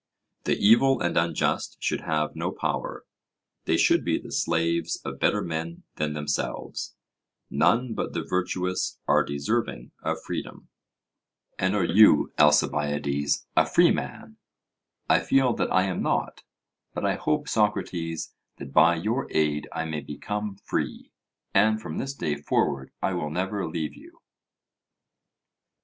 The evil and unjust should have no power, they should be the slaves of better men than themselves. None but the virtuous are deserving of freedom. And are you, Alcibiades, a freeman? 'I feel that I am not; but I hope, Socrates, that by your aid I may become free, and from this day forward I will never leave you.'